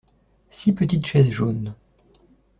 Six petites chaises jaunes.